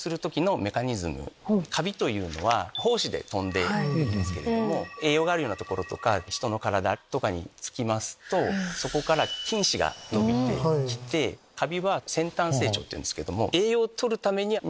カビというのは胞子で飛んでいるんですけど栄養がある所とか人の体とかにつきますとそこから菌糸が伸びてきてカビは先端成長っていうんですけど。